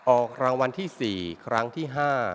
ออกรางวัลที่๔ครั้งที่๕